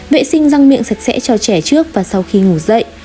vệ sinh răng miệng sạch sẽ cho trẻ trước và sau khi ngủ dậy